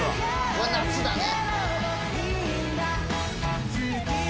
これ夏だね。